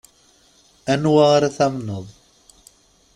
Anwa ara tamneḍ.